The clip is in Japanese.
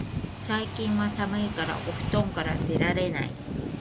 最近は寒いからお布団から出られない